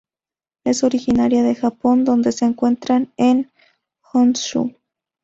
Es originaria de Japón donde se encuentra en Honshu.